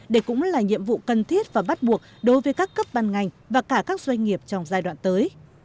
đây cũng là nhiệm vụ cần thiết và bắt buộc đối với các cấp ban ngành và cả các doanh nghiệp trong giai đoạn tới